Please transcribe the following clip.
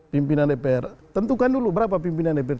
pimpinan dpr tentukan dulu berapa pimpinan dpr